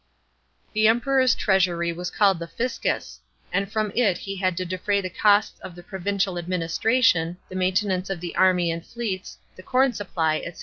The Emperor's treasury was called the^scws ;* and from it he had to defray the costs of the provincial administration, the main tenance of the army and fleets, the corn supply, &c.